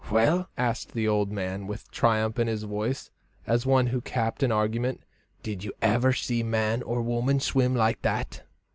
"Well," asked the old man with triumph in his voice, as one who capped an argument, "did you ever see man or woman swim like that?"